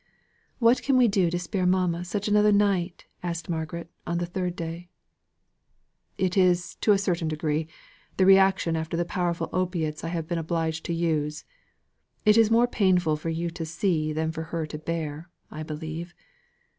"What can we do to spare mamma such another night?" asked Margaret on the third day. "It is to a certain degree, the reaction after the powerful opiates I have been obliged to use. It is more painful for you to see than for her to bear, I believe.